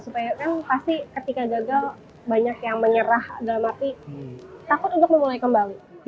supaya kan pasti ketika gagal banyak yang menyerah dalam arti takut untuk memulai kembali